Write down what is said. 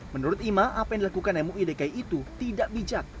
menurut imam apa yang dilakukan muidki itu tidak bijak